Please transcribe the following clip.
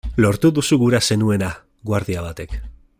Lortu duzu gura zenuena!, guardia batek.